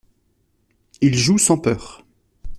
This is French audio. Ils jouent sans peur.